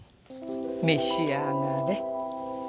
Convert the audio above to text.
召し上がれ。